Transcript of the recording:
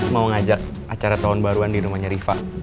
mau ngajak acara tahun baruan di rumahnya riva